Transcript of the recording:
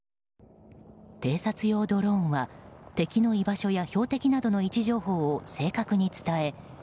偵察用ドローンは敵の居場所や標的などの位置情報を正確に伝え